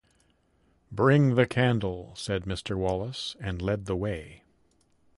"Bring the candle," said Mr. Wallace, and led the way.